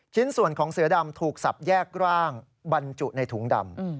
ชิ้นส่วนของเสือดำถูกสับแยกร่างบรรจุในถุงดำ